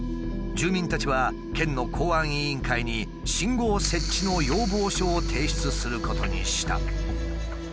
住民たちは県の公安委員会に信号設置の要望書を提出することにした。